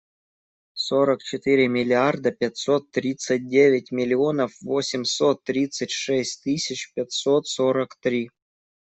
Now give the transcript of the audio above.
Сорок четыре миллиарда пятьсот тридцать девять миллионов восемьсот тридцать шесть тысяч пятьсот сорок три.